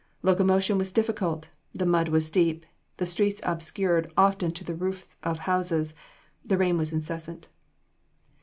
Locomotion was difficult, the mud was deep, the streets obstructed often to the roofs of houses, the rain was incessant.